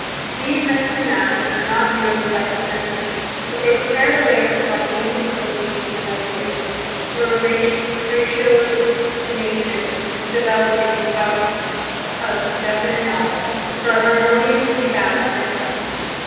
These mental gymnastics are not merely psycho sensory, but they prepare the way for spontaneous association of ideas, for ratiocination developing out of definite knowledge, for a harmoniously balanced intellect.